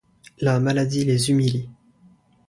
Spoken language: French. La maladie les humilie.